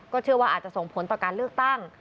เชื่อว่าอาจจะส่งผลต่อการเลือกตั้ง